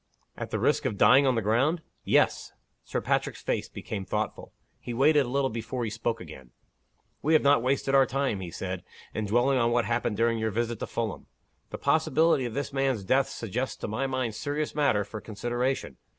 "At the risk of dying on the ground?" "Yes." Sir Patrick's face became thoughtful. He waited a little before he spoke again. "We have not wasted our time," he said, "in dwelling on what happened during your visit to Fulham. The possibility of this man's death suggests to my mind serious matter for consideration.